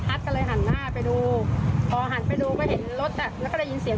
เราก็ไม่รู้ว่าเขาจับอะไรกันหันไปอีกทีตำรวจก็ล้อมรถเต็มเลย